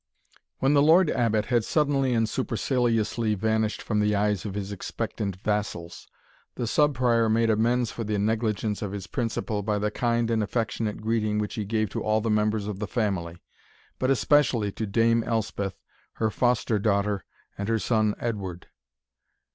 When the Lord Abbot had suddenly and superciliously vanished from the eyes of his expectant vassals, the Sub Prior made amends for the negligence of his principal, by the kind and affectionate greeting which he gave to all the members of the family, but especially to Dame Elspeth, her foster daughter, and her son Edward.